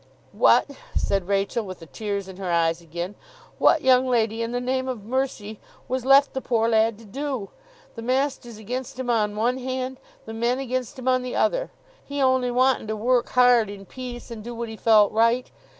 'What,' said Rachael, with the tears in her eyes again, 'what, young lady, in the name of Mercy, was left the poor lad to do! The masters against him on one hand, the men against him on the other, he only wantin to work hard in peace, and do what he felt right.